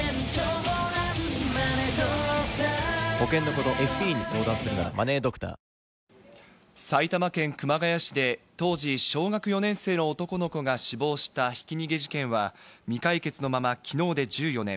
この結果、アルゼンチンは埼玉県熊谷市で当時小学４年生の男の子が死亡した、ひき逃げ事件は未解決のまま、きのうで１４年。